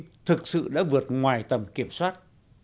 tin thực sự đã vượt ngoài tầm kiểm soát